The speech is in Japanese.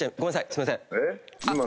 すいません。